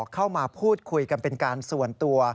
เข้ามาพูดคุยกันเป็นการส่วนตัว